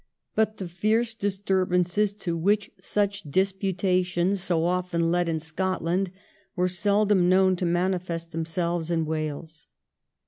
But the fierce disturbances to which such disputations so often led in Scotland were seldom known to manifest themselves in Wales.